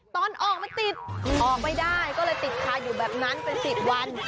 ตอนออกมันติดออกไม่ได้ก็เลยติดคาอยู่แบบนั้นเป็น๑๐วัน